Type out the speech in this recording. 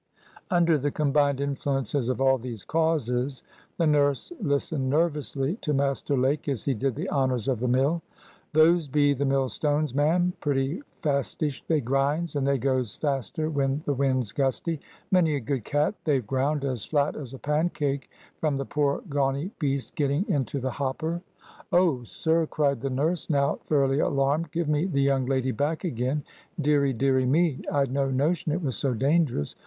Under the combined influences of all these causes, the nurse listened nervously to Master Lake, as he did the honors of the mill. "Those be the mill stones, ma'am. Pretty fastish they grinds, and they goes faster when the wind's gusty. Many a good cat they've ground as flat as a pancake from the poor gawney beasts getting into the hopper." "Oh, sir!" cried the nurse, now thoroughly alarmed, "give me the young lady back again. Deary, deary me! I'd no notion it was so dangerous.